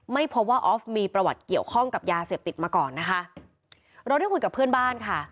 ไม่พบว่าออฟมีประวัติเกี่ยวข้องกับยาเสพติดมาก่อนนะคะเราได้คุยกับเพื่อนบ้านค่ะ